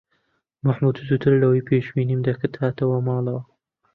مەحموود زووتر لە ئەوی پێشبینیم دەکرد هاتەوە ماڵەوە.